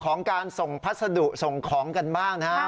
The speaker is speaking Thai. ของการส่งพัสดุส่งของกันบ้างนะฮะ